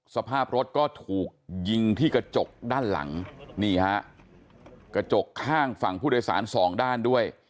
สภาพรถก็ถูกยิงที่กระจกด้านหลังนี่ฮะกระจกข้างฝั่งผู้โดยสารสองด้านด้วย